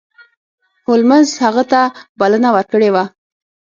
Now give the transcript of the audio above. هولمز هغه ته بلنه ورکړې وه.